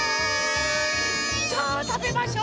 さあたべましょ。